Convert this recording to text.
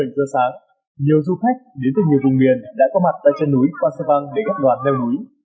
trước sáng nhiều du khách đến từ nhiều vùng nguyền đã có mặt tại chân núi quang sơn văn để gấp đoàn leo núi